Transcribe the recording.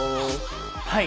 はい。